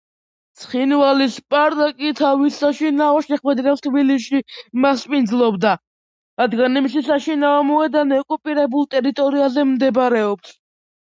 ცხინვალის „სპარტაკი“ თავის საშინაო შეხვედრებს თბილისში მასპინძლობდა, რადგან მისი საშინაო მოედანი ოკუპირებულ ტერიტორიაზე მდებარეობს.